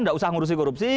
nggak usah ngurusi korupsi